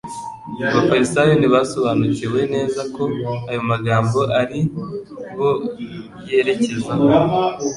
Abafarisayo ntibasobanukiwe neza ko ayo magambo ari bo yerekezaho.